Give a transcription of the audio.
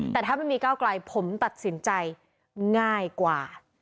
แต่ถ้าไม่มีก้าวไกลผมตัดสินใจง่ายกว่า